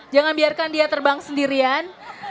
jangan biarkan dia terbang sendirian